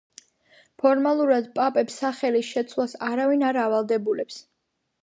ფორმალურად პაპებს სახელის შეცვლას არავინ არ ავალდებულებს.